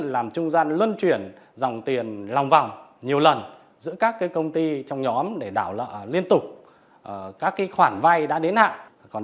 làm trung gian luân chuyển dòng tiền lòng vòng nhiều lần